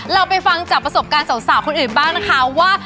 เราไปฟังจากประสบการณ์สาวคนอื่นบ้างนะคะว่า